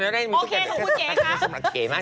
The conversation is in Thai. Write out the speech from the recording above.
สำหรับเก๋มากจริง